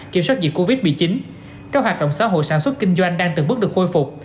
kiểm soát dịch covid một mươi chín các hoạt động xã hội sản xuất kinh doanh đang từng bước được khôi phục